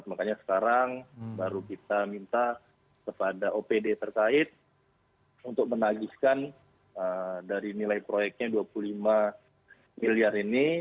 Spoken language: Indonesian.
makanya sekarang baru kita minta kepada opd terkait untuk menagihkan dari nilai proyeknya dua puluh lima miliar ini